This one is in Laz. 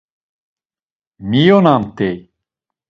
Miyonamt̆ey.